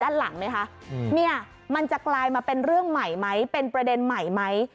ด้านหลังไหมคะเนี่ยมันจะกลายมาเป็นเรื่องใหม่ไหมเป็นประเด็นใหม่ไหม